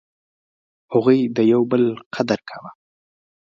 هغوی د یو بل قدر کاوه.